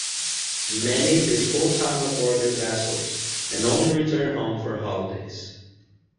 Many live full-time aboard their vessels and only return home for holidays.